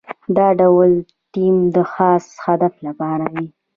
دا ډول ټیم د خاص هدف لپاره وي.